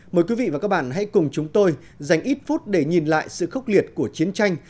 mời quý vị và các bạn hãy cùng chúng tôi dành ít phút để nhìn lại sự khốc liệt của chiến tranh